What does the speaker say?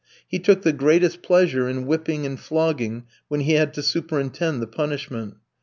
He took the greatest pleasure in whipping and flogging, when he had to superintend the punishment.